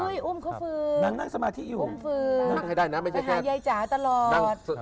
อุ้มเขาฟื้นฝึงฝึงไปหายัยจ๋าตลอดค่ะนั่งสมาธินั่งสมาธิอยู่